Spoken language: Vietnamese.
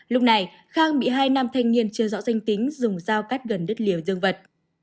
lúc này khang bị hai nam thanh niên chưa rõ danh tính dùng dao cắt gần đứt lìa dân vật